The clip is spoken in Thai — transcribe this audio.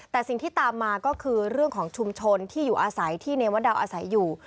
แต่สิ่งที่ตามมาก็คือเรื่องของชุมชนที่อยู่อาศัยที่เนวดาวอาศัยอยู่